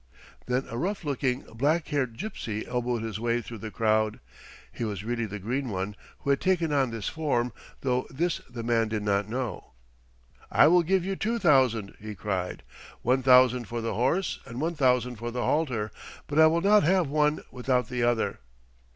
Then a rough looking, black haired gypsy elbowed his way through the crowd. He was really the Green One who had taken on this form, though this the man did not know. "I will give you two thousand," he cried. "One thousand for the horse and one thousand for the halter, but I will not have one without the other."